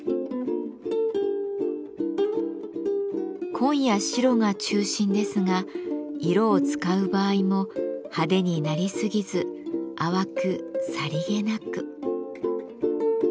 紺や白が中心ですが色を使う場合も派手になりすぎず淡くさりげなく。